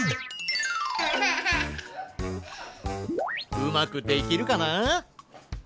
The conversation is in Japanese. うまくできるかな？